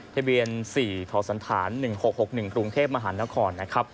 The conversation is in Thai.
ทะเบียน๔ทศ๑๖๖๑กรุงเทพฯมหานคร